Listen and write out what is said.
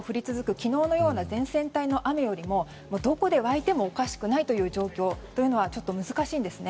昨日のような前線帯の雨よりもどこで湧いてもおかしくないという状況というのは難しいんですね。